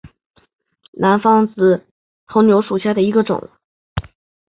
南方紫金牛为报春花科紫金牛属下的一个种。